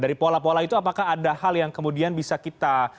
dari pola pola itu apakah ada hal yang kemudian bisa kita